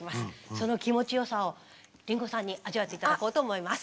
その気持ちよさを林檎さんに味わって頂こうと思います。